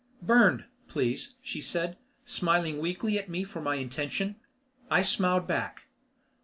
"Burned, please," she said, smiling weakly at me for my intention. I smiled back.